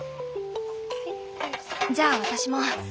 じゃあ私も。